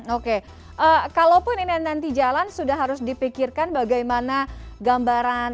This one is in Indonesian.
oke kalaupun ini nanti jalan sudah harus dipikirkan bagaimana gambaran